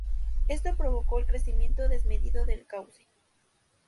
Esto provocó el crecimiento desmedido del cauce.